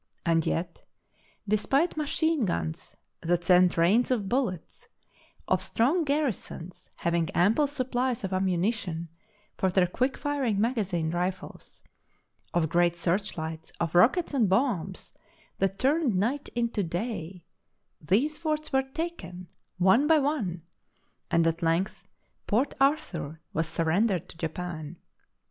And yet, despite machine guns that sent rains of bullets, of strong garrisons having ample supplies of ammu nition for their quick firing magazine rifles, of THE BOOK OF FAMOUS SIEGES great search lights, of rockets and bombs that turned night into day, these forts were taken one by one, and at length Port Arthur was surrendered to Japan.